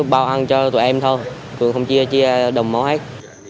bảo ăn cho tụi em thôi cường không chia đồng mẫu hết